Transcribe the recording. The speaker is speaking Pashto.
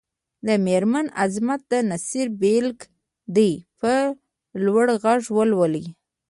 د مېرمن عظمت د نثر بېلګه دې په لوړ غږ ولولي.